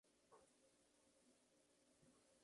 Se ha convertido en la mujer humana más fuerte de la tierra.